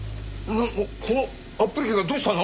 このアップリケがどうしたの？